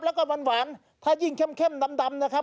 แล้วก็หวานถ้ายิ่งเข้มดำนะครับ